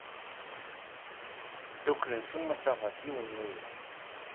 Ddukklen s umata ɣef yiwen n wawal.